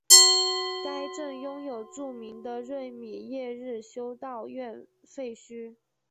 该镇拥有著名的瑞米耶日修道院废墟。